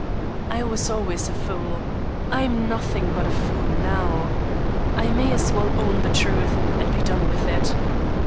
"I was always a fool. I'm nothing but a fool now. I may as well own the truth, and be done with it.